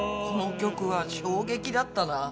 この曲は衝撃だったな。